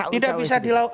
tidak bisa di